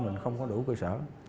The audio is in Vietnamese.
mình không có đủ cơ sở